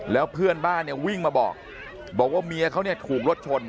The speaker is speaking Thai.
แล้วเพื่อนบ้านเนี่ยวิ่งมาบอกบอกว่าเมียเขาเนี่ยถูกรถชน